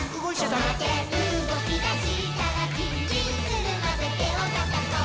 「とまってうごきだしたらヂンヂンするまでてをたたこう」